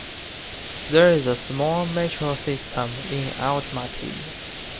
There is a small metro system in Almaty.